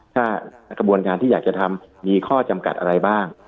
ถ้ากระบวนการที่อยากจะทำมีข้อจำกัดอะไรบ้าง